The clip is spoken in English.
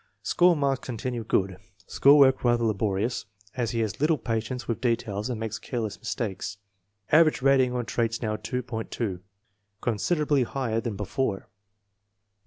School marks continue good. School work rather laborious, as he has little patience with details and makes careless mistakes. Average rating on traits now, 8.20, considerably higher than before.